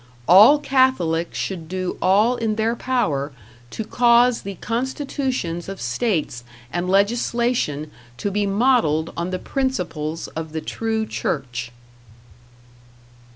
All Catholics should do all in their power to cause the constitutions of states and legislation to be modeled on the principles of the true Church.